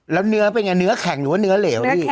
แล้วเนื้อเป็นไงเนื้อแข็งหรือว่าเนื้อเหลวพี่